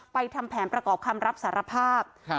ทำแผนประกอบคำรับสารภาพ